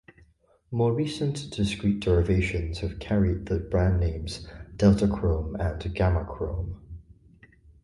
More recent discrete derivations have carried the brand names DeltaChrome and GammaChrome.